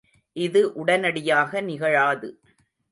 இது உடனடியாக நிகழாது.